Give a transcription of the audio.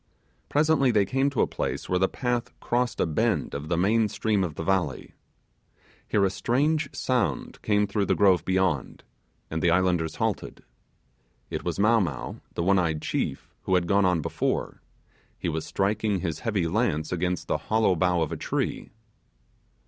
Presently they came to a place where the paths crossed a bend of the main stream of the valley. Here a strange sound came through the grove beyond, and the Islanders halted. It was Mow Mow, the one eyed chief, who had gone on before; he was striking his heavy lance against the hollow bough of a tree.